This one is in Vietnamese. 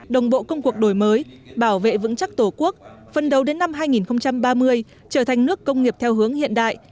đồng bộ công cuộc đổi mới bảo vệ vững chắc tổ quốc phân đấu đến năm hai nghìn ba mươi trở thành nước công nghiệp theo hướng hiện đại